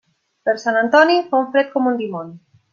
Per Sant Antoni, fa fred com un dimoni.